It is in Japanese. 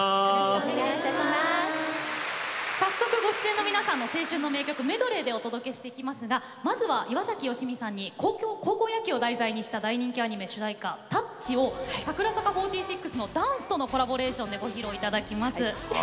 早速、ご出演の皆さんの青春の名曲をメドレーでお届けするのですがまずは岩崎良美さんに高校野球を題材にした大人気アニメの主題歌「タッチ」を櫻坂４６のダンスとのコラボレーションでご披露いただきます。